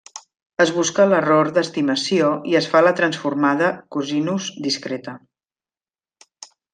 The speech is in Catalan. Es busca l'error d'estimació i es fa la Transformada Cosinus Discreta.